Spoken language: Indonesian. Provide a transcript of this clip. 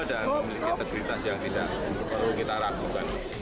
dan memiliki integritas yang tidak perlu kita ragukan